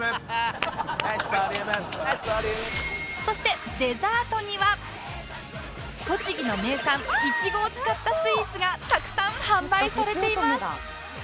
そしてデザートには栃木の名産いちごを使ったスイーツがたくさん販売されています